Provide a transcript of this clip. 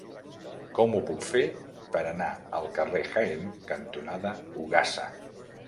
Com ho puc fer per anar al carrer Jaén cantonada Ogassa?